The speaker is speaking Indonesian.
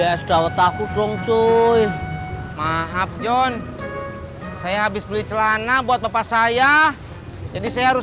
hai beli es dawet aku dong cuy maaf john saya habis beli celana buat bapak saya ini saya harus